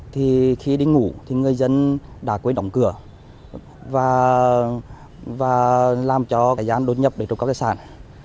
thì khi đi ngủ thì người dân đã quên đóng cửa và làm cho kẻ gian đột nhập để trộm các tài sản